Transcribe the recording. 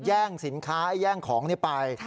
แย่งสินค้าแย่งของนี้ไป